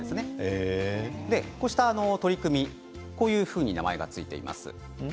こうした取り組みこういうふうに名前が付いています。